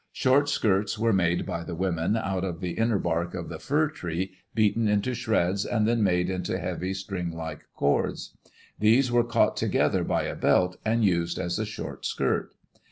Short skirts were made by the women out of the inner bark of the fir tree, beaten into shreds, and then made into heavy string like cords. These were caught together by a belt and used as a short skirt.